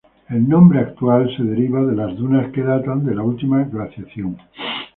El nombre actual se deriva de las dunas que datan de la última glaciación.